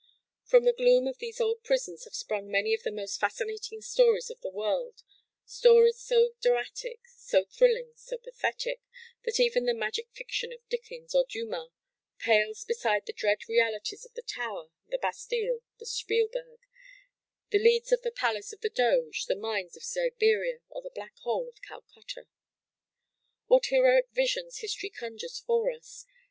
From the gloom of these old prisons have sprung many of the most fascinating stories of the world,—stories so dramatic, so thrilling, so pathetic that even the magic fiction of Dickens or Dumas pales beside the dread realities of the Tower, the Bastile, the Spielberg, the "leads" of the Palace of the Doges, the mines of Siberia, or the Black Hole of Calcutta. What heroic visions history conjures for us!